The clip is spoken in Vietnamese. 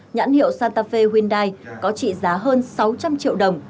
nhãn hiệu santa fe hyundai có trị giá hơn sáu trăm linh triệu đồng